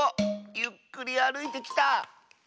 ゆっくりあるいてきた！